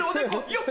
よっ！